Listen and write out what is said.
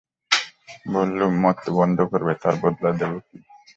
বললুম, মদ তো বন্ধ করবে, তার বদলে দেবে কী।